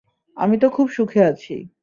আমি তো খুব সুখে আছি।